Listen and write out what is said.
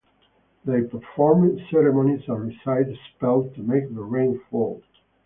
They performed ceremonies and recited spells to make the rain fall.